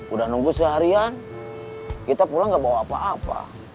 udah nunggu seharian kita pulang gak bawa apa apa